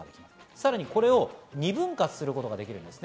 さらにこれを２分割することができます。